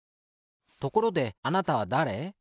ところであなたはだれ？